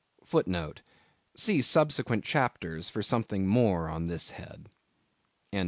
* *See subsequent chapters for something more on this head.